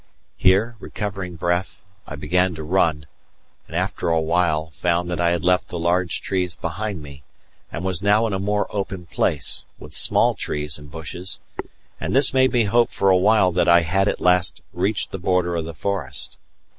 Here, recovering breath, I began to run, and after a while found that I had left the large trees behind me, and was now in a more open place, with small trees and bushes; and this made me hope for a while that I had at last reached the border of the forest.